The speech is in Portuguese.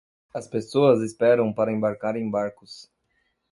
As pessoas esperam para embarcar em barcos.